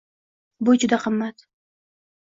Bu juda qimmat.